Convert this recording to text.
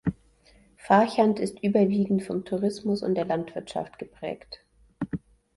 Farchant ist überwiegend vom Tourismus und der Landwirtschaft geprägt.